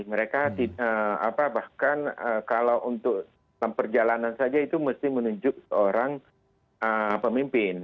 mereka bahkan kalau untuk perjalanan saja itu mesti menunjuk seorang pemimpin